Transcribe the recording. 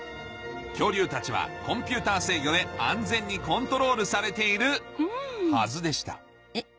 恐竜たちはコンピューター制御で安全にコントロールされているはずでしたえっ